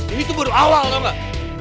ini tuh baru awal tau gak